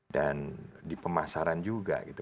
dan di pemasaran juga gitu